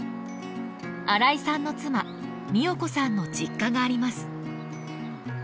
荒井さんの妻美代子さんの実家があります。